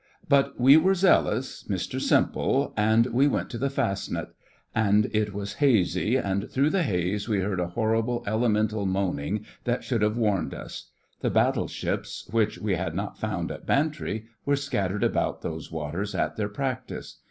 But we were zealous, Mr. Simple, and we went to the Fastnet; and it was hazy, and through the haze we heard a horrible elemental moaning that should have warned us. The battleships which we had not found at Bantry were scattered about those waters at their practice.